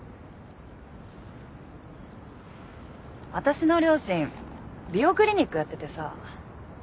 私の両親美容クリニックやっててさ。